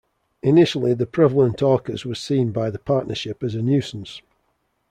Initially the prevalent orcas were seen by the partnership as a nuisance.